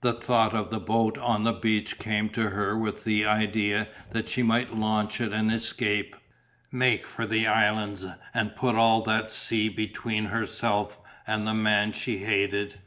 The thought of the boat on the beach came to her with the idea that she might launch it and escape, make for the islands and put all that sea between herself and the man she hated.